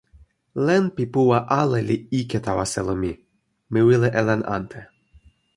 len pi puwa ala li ike tawa selo mi. mi wile e len ante.